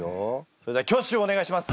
それでは挙手をお願いします。